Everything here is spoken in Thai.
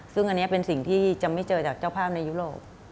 ซึ่งอันนี้เป็นสิ่งที่จะไม่เจอจากเจ้าภาพในยุโรป